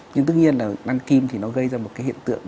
nhưng tất nhiên là ngăn kim thì nó gây ra một cái hiện tượng